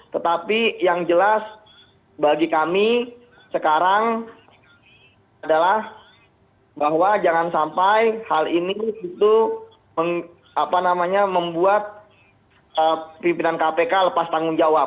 tetapi yang jelas bagi kami sekarang adalah bahwa jangan sampai hal ini itu membuat pimpinan kpk lepas tanggung jawab